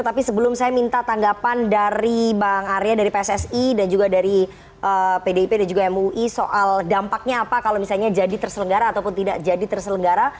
tapi sebelum saya minta tanggapan dari bang arya dari pssi dan juga dari pdip dan juga mui soal dampaknya apa kalau misalnya jadi terselenggara ataupun tidak jadi terselenggara